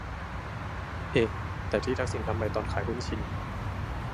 เอ แต่ที่ทักษิณทำไปตอนขายหุ้นชิน